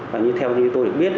và như theo tôi biết